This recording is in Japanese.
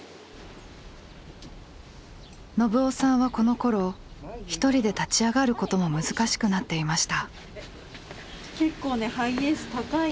信男さんはこのころ一人で立ち上がることも難しくなっていました。